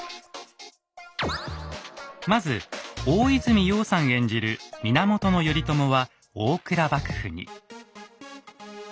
まず大泉洋さん演じる源頼朝は大倉幕府に。